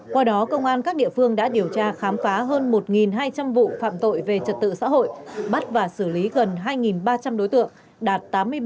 qua đó công an các địa phương đã điều tra khám phá hơn một hai trăm linh vụ phạm tội về trật tự xã hội bắt và xử lý gần hai ba trăm linh đối tượng đạt tám mươi ba